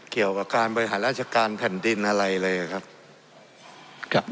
เกี่ยวกับการบริหารราชการแผ่นดินอะไรเลยครับครับ